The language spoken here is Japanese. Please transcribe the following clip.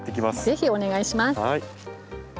ぜひお願いします！